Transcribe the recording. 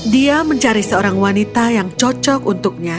dia mencari seorang wanita yang cocok untuknya